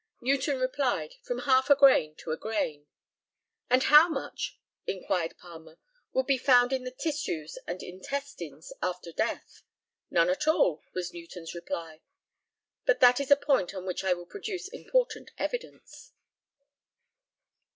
Newton replied, "from half a grain to a grain." "And how much," inquired Palmer, "would be found in the tissues and intestines after death?" "None at all," was Newton's reply; but that is a point on which I will produce important evidence.